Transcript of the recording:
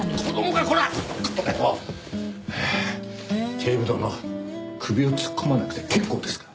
警部殿首を突っ込まなくて結構ですから。